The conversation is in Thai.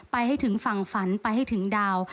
ไปให้ถึงฝั่งฝันไปให้ถึงดาว